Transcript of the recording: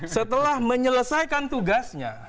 setelah menyelesaikan tugasnya